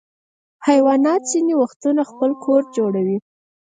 حیوانات ځینې وختونه خپل کور جوړوي.